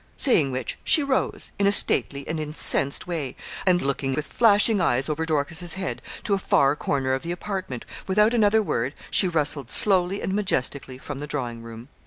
Saying which, she rose, in a stately and incensed way, and looking with flashing eyes over Dorcas's head to a far corner of the apartment, without another word she rustled slowly and majestically from the drawing room.